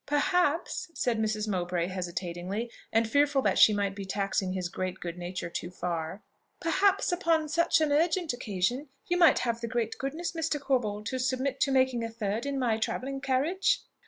"Perhaps," said Mrs. Mowbray, hesitatingly, and fearful that she might be taxing his great good nature too far, "perhaps, upon such an urgent occasion, you might have the great goodness Mr. Corbold, to submit to making a third in my travelling carriage?"